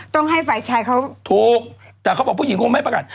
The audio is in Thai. ต้องให้ฝ่ายชายเขาถูกแต่เขาบอกผู้หญิงคงไม่ประกาศ